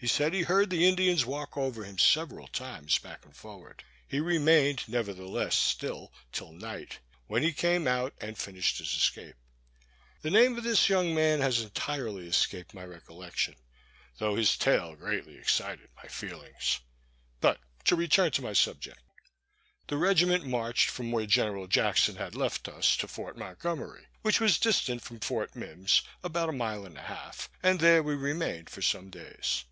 He said he heard the Indians walk over him several times back and forward. He remained, nevertheless, still till night, when he came out, and finished his escape. The name of this young man has entirely escaped my recollection, though his tale greatly excited my feelings. But to return to my subject. The regiment marched from where Gen'l. Jackson had left us to Fort Montgomery, which was distant from Fort Mimms about a mile and a half, and there we remained for some days.